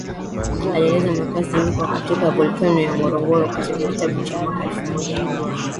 alieleza makazi huko katika volkeno ya Ngorongoro katika kitabu cha mwaka elfu moja mia